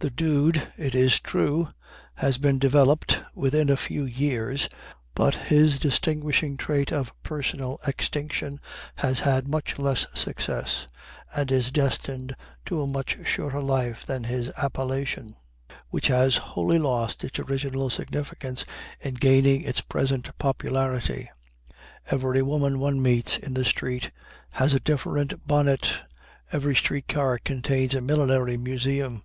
The dude, it is true, has been developed within a few years, but his distinguishing trait of personal extinction has had much less success and is destined to a much shorter life than his appellation, which has wholly lost its original significance in gaining its present popularity. Every woman one meets in the street has a different bonnet. Every street car contains a millinery museum.